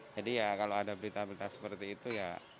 jadi ya kalau ada berita berita seperti itu ya